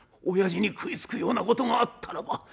おやじに食いつくようなことがあったらば」。